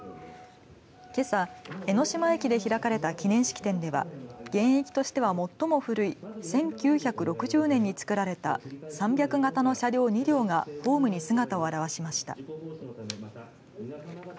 けさ、江ノ島駅で開かれた記念式典では現役としては最も古い１９６０年に造られた３００形の車両２両がホームに姿を現しました。